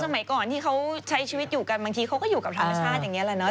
สมัยก่อนที่เขาใช้ชีวิตอยู่กันบางทีเขาก็อยู่กับธรรมชาติอย่างนี้แหละเนาะ